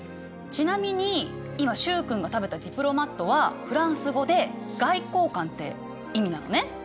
ちなみに今習君が食べたディプロマットはフランス語で外交官って意味なのね。